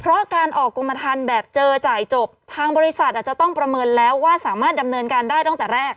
เพราะการออกกรมฐานแบบเจอจ่ายจบทางบริษัทอาจจะต้องประเมินแล้วว่าสามารถดำเนินการได้ตั้งแต่แรก